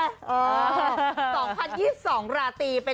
๒๐๒๒หราตีเป็นอย่างไรล่ะคะ